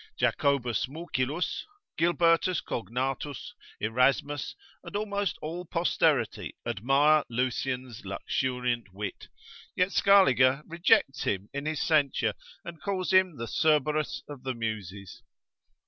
Jacobus Mycillus, Gilbertus Cognatus, Erasmus, and almost all posterity admire Lucian's luxuriant wit, yet Scaliger rejects him in his censure, and calls him the Cerberus of the muses.